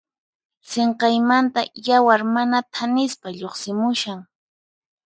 Sinqaymanta yawar mana thanispa lluqsimushan.